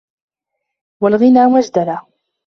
وَالْغِنَى مَجْدَلَةٌ